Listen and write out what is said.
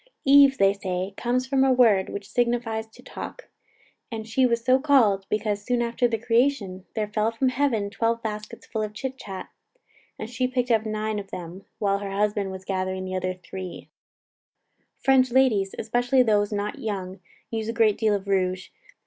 "Eve," say they, "comes from a word, which signifies to talk; and she was so called, because, soon after the creation, there fell from heaven twelve baskets full of chit chat, and she picked up nine of them, while her husband was gathering the other three." French ladies, especially those not young, use a great deal of rouge.